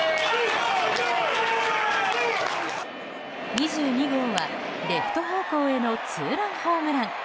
２２号はレフト方向へのツーランホームラン。